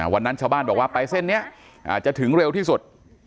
วันนั้นชาวบ้านบอกว่าไปเส้นนี้จะถึงเร็วที่สุด